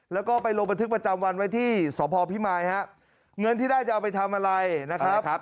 แล้วก็ไปลงบันทึกประจำวันไว้ที่สพพิมายฮะเงินที่ได้จะเอาไปทำอะไรนะครับ